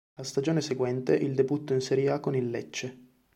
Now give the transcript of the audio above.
La stagione seguente il debutto in serie A con il Lecce.